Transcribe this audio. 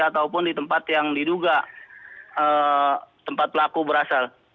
ataupun di tempat yang diduga tempat pelaku berasal